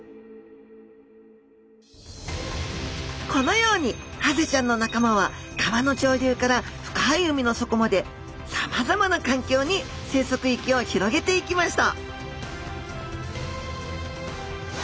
このようにハゼちゃんの仲間は川の上流から深い海の底までさまざまな環境に生息域を広げていきました